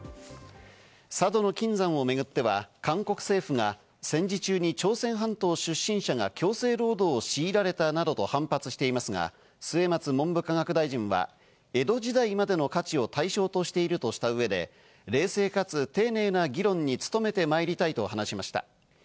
佐渡島の金山をめぐっては、韓国政府が戦時中に朝鮮半島出身者が強制労働をしいられたなどと反発していますが、末松文部科学大臣は江戸時代までの価値を対象としているとした上で、冷静かつ丁寧な議論に努めてまいりたいと話しました。